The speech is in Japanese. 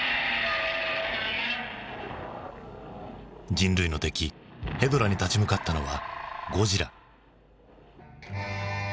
人類の敵へドラに立ち向かったのはゴジラ。